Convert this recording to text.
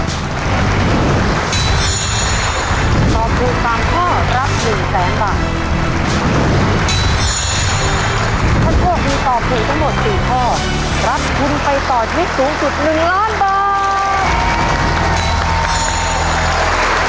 คนพวกมีตอบถูกทั้งหมด๔ข้อรับคุณไปต่อที่สูงจุด๑ล้านบาท